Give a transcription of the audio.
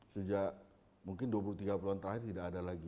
sejak mungkin dua puluh tiga bulan terakhir tidak ada lagi